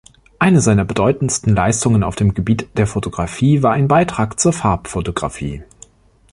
Eine seiner bedeutendsten Leistungen auf dem Gebiet der Fotografie war ein Beitrag zur Farbfotografie.